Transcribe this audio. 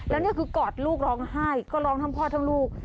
แล้วนี่คือกอดลูกร้องไห้ก็ร้องทั้งพ่อทั้งลูก